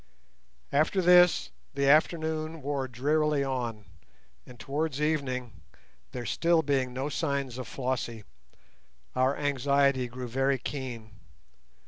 After this the afternoon wore drearily on, and towards evening, there still being no signs of Flossie, our anxiety grew very keen.